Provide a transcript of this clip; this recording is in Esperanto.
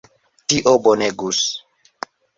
Tio bonegus!